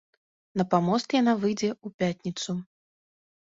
На памост яна выйдзе ў пятніцу.